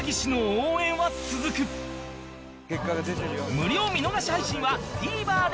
無料見逃し配信は ＴＶｅｒ で